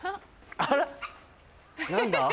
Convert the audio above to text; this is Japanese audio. あらっ何だ？